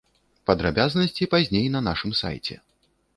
Падрабязнасці пазней на нашым сайце.